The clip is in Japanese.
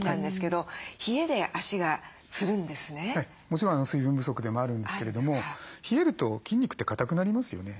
もちろん水分不足でもあるんですけれども冷えると筋肉って硬くなりますよね